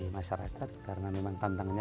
masyarakat karena memang tantangannya